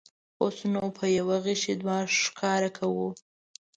اوس نو په یوه غیشي دوه ښکاره کوو.